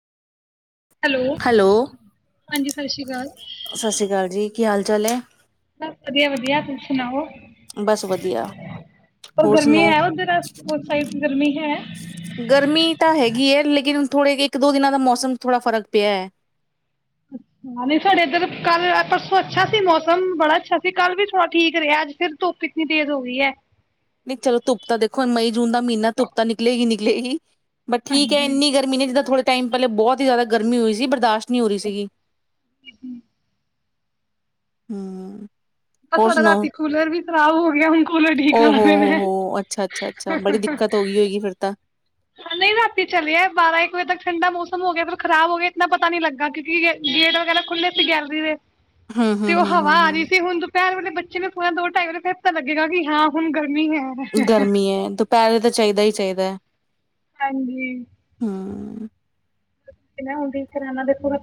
Hello, ਹਾਂਜੀ ਸਤਿ ਸ਼੍ਰੀ ਅਕਾਲ ਸਤਿ ਸ੍ਰੀ ਅਕਾਲ ਜੀ ਕੀ ਹਾਲ ਚਾਲ ਹੈ ਬਸ ਵਧੀਆ-ਵਧੀਆ ਤੁਸੀ ਸੁਣਾਓ ਬਸ ਵਧੀਆ ਪਰ ਹੋਰ ਗਰਮੀ ਸੁਣਾਓ ਹੈ ਉੱਧਰ ਉਸ ਸਾਈਡ ਗਰਮੀ ਹੈ ਗਰਮੀ ਤਾਂ ਹੈਗੀ ਹੈ ਲੇਕਿਨ ਥੋੜੇ ਇੱਕ ਦੋ ਦਿਨਾਂ ਦਾ ਮੌਸਮ ਥੋੜ੍ਹਾ ਫ਼ਰਕ ਪਿਆ ਹੈ ਹਾਂ ਨਹੀਂ ਸਾਡੇ ਇੱਧਰ ਕੱਲ ਪਰਸੋਂ ਅੱਛਾ ਸੀ ਮੌਸਮ ਬੜਾ ਅੱਛਾ ਸੀ ਕੱਲ ਵੀ ਥੋੜਾ ਠੀਕ ਰਿਹਾ ਅੱਜ ਫਿਰ ਧੁੱਪ ਈਤਨੀ ਤੇਜ ਹੋ ਗਈ ਹੈ ਨਹੀਂ ਚਲੋ ਧੁੱਪ ਤਾਂ ਦੇਖੋ ਮਈ ਜੂਨ ਦਾ ਮਹੀਨਾ ਧੁੱਪ ਤਾਂ ਨਿਕਲੇ ਹੀ ਨਿਕਲੇ ਹੀ ਬ ਠੀਕ ਹਾਂਜੀ ਏੰਨੀ ਗਰਮੀ ਨੀ ਜਿੱਦਾ ਥੋੜੇ ਟਾਈਮ ਪਹਿਲੇ ਬਹੁਤ ਹੀ ਜ਼ਿਆਦਾ ਗਰਮੀ ਹੋਈ ਸੀ ਬਰਦਾਸ਼ਤ ਨਹੀ ਹੋਰੀ ਸੀਗੀ ਹੂੰ ਪਰ ਤੁਹਾਡਾ ਰਾਤੀ ਕੂਲਰ ਵੀ ਖਰਾਬ ਹੋ ਗਿਆ ਹੁਣ ਕੂਲਰ ਠੀਕ ਕਰਾਣਾ ਪੈਣਾ ਓਹੋ-ਓਹੋ ਅੱਛਾ-ਅੱਛਾ-ਅੱਛਾ ਬੜੀ ਦਿੱਕਤ ਹੋ ਗਈ ਹੋਏਗੀ ਫੇਰ ਤਾਂ ਨਹੀਂ ਰਾਤੀ ਚੱਲਿਆ ਬਾਰਾਂ ਇੱਕ ਵਜੇ ਤੱਕ ਠੰਡਾ ਮੌਸਮ ਹੋ ਗਿਆ ਪਰਿਰ ਖਰਾਬ ਹੋ ਗਿਆ ਇਤਨਾ ਪਤਾ ਨੀ ਲੱਗਾ ਕਿਉਂਕਿ ਗੇਟ ਵਗੈਰਾ ਖੁੱਲ੍ਹੇ ਸੀ ਗੈਲਰੀ ਦੇ ਹਮ ਤੇ ਹਮ ਉਹ ਹਮ ਹਵਾ ਹਮ ਆ ਰਹੀ ਹਮ ਸੀ ਹੁਣ ਦੁਪਹਿਰ ਉਹਨੇ ਬੱਚ ਚ ਪੋਨੇ ਦੋ ਢਾਈ ਵਜੇ ਫਿਰ ਤਾ ਲੱਗੇਗਾ ਕਿ ਹਾਂ ਹੁਣ ਗ ਗਰਮੀ ਹੈ ਦੁਪਹਿਰੇ ਤਾਂ ਚਾਹੀਦਾ ਹੀ ਚਾਹੀਦਾ ਹੈ ਹਾਂਜੀ। ਹਮ [unintelligible]